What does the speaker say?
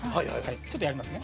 ちょっとやりますね。